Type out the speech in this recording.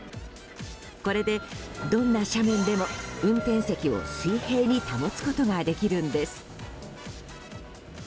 これで、どんな斜面でも運転席を水平に保つことができるんです。